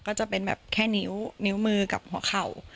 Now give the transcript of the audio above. ก็จะเป็นแบบแค่นิ้วนิ้วมือกับหัวเข่า